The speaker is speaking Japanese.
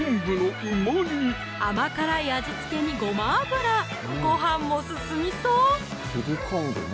甘辛い味付けにごま油ごはんも進みそう！